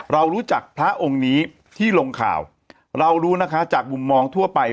เรารู้จักพระองค์นี้ที่ลงข่าวเรารู้นะคะจากมุมมองทั่วไป